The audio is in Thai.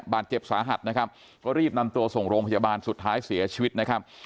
บาดเจ็บสาหัสนะครับก็รีบนำตัวส่งโรงพยาบาลสุดท้ายเสียชีวิตนะครับ